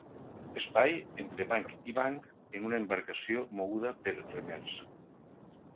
Espai entre banc i banc en una embarcació moguda per remers.